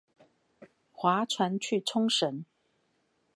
划船去沖繩